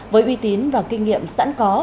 với uy tín và kinh nghiệm sẵn có